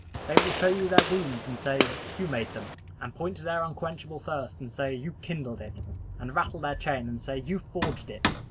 They will show you their wounds and say, "You made them;" and point to their unquenchable thirst, and say, "You kindled it;" and rattle their chain and say, "You forged it."